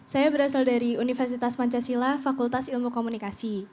saya berasal dari universitas pancasila fakultas ilmu komunikasi